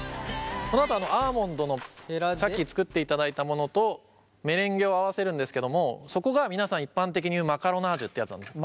このあとアーモンドのさっき作っていただいたものとメレンゲを合わせるんですけどもそこが皆さん一般的に言うマカロナージュってやつなんです。